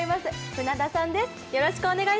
船田さんです。